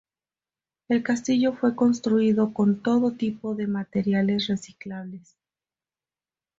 El castillo fue construido con todo tipo de materiales reciclables.